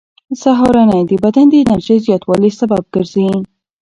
سهارنۍ د بدن د انرژۍ زیاتوالي سبب ګرځي.